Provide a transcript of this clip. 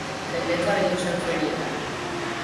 Jendetza bildu zen ferietan.